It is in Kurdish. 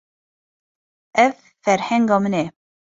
Ev ferhenga min e.